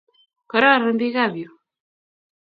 Kororon pik ap yu.